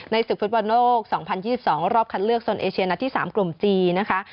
ศึกฟุตบอลโลก๒๐๒๒รอบคัดเลือกโซนเอเชียนัดที่๓กลุ่มจีนนะคะ